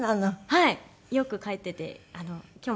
はい。